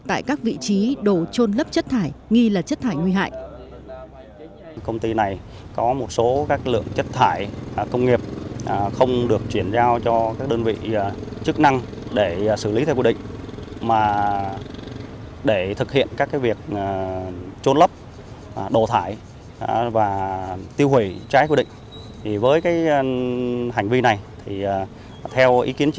tại các vị trí đồ trôn lấp chất thải nghi là chất thải nguy hại